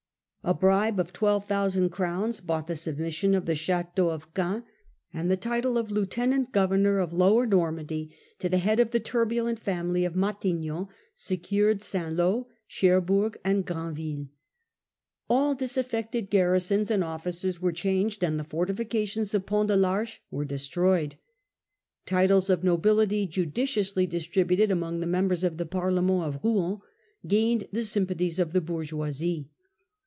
A bribe of 12,000 crowns bought the submission of the Chateau of Caen ; and the title of 165a Success of the Royal Cause . 5 5 Lieutenant Governor of Lower Normandy to the head of the turbulent family of Matignon secured St. Lo, Cher bourg, and Granville. All disaffected garrisons and officers were changed, and the fortifications of Pont de PArche were destroyed. Titles of nobility, judiciously distributed among the members of the Parlement of Rouen, gained the sympathies of the bourgeoisie